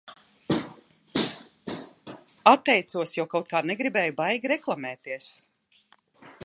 Atteicos, jo kaut kā negribēju baigi reklamēties.